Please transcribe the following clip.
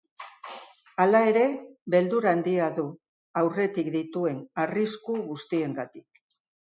Hala ere, beldur handia du aurretik dituen arrisku guztiengatik.